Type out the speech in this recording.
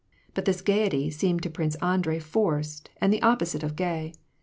But this gayety seemed to Prince Andrei forced, and the opposite of gay.